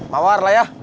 mawar lah ya